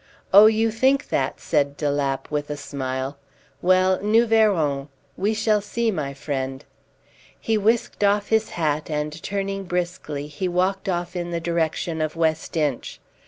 "Oh, you think that!" said de Lapp with a smile. "Well, nous verrons! We shall see, my friend!" He whisked off his hat, and turning briskly he walked off in the direction of West Inch.